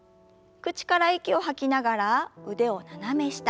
口から息を吐きながら腕を斜め下。